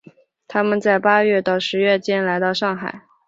他们在八月到十月间来到上海。